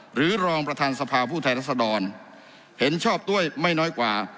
หรือรองประธานสภาผู้แทนรัศดรเห็นชอบด้วยไม่น้อยกว่า